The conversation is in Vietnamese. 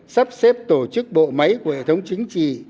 sắp xếp tổ chức bộ máy của hệ thống chính trị